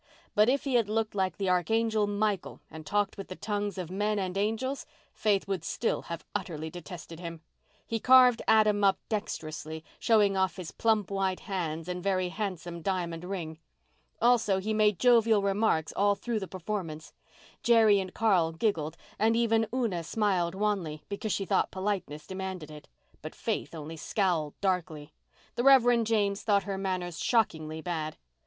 But if he had looked like the Archangel Michael and talked with the tongues of men and angels Faith would still have utterly detested him. He carved Adam up dexterously, showing off his plump white hands and very handsome diamond ring. Also, he made jovial remarks all through the performance. Jerry and Carl giggled, and even Una smiled wanly, because she thought politeness demanded it. But Faith only scowled darkly. The Rev. James thought her manners shockingly bad.